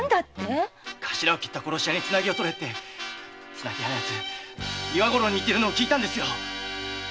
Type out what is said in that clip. カシラを斬った殺し屋にツナギをとれって綱木屋が岩五郎に言ってるのを聞いたんですよ！